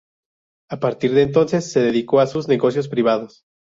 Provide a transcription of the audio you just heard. A partir de entonces se dedicó a sus negocios privados.